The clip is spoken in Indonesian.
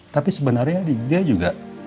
tapi sebenarnya dia juga